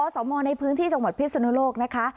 สมในพื้นที่จังหวัดพิศนุโลกนะคะ